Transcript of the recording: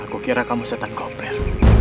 aku kira kamu setan koper